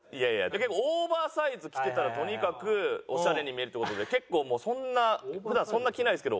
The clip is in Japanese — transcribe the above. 結構オーバーサイズ着てたらとにかくオシャレに見えるって事で結構もうそんな普段そんな着ないんですけど。